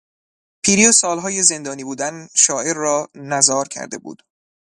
پیری و سالها زندانی بودن شاعر را نزار کرده بود.